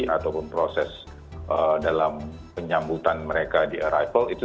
ataupun proses dalam penyambutan mereka di arrival itu